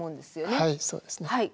はいそうですね。